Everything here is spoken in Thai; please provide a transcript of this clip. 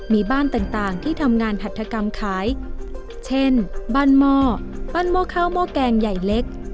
มีบ้านต่างที่ทำงานหัตถกรรมขายเช่นบ้านหม้อบ้านหม้อข้าวหม้อแกงใหญ่เล็ก